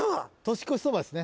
年越しそばですね